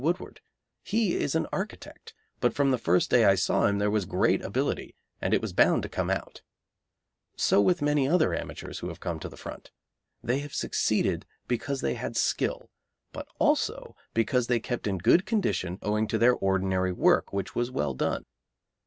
Woodward; he is an architect, but from the first day I saw him there was great ability, and it was bound to come out. So with many other amateurs who have come to the front. They have succeeded because they had skill, but also because they kept in good condition owing to their ordinary work, which was well done.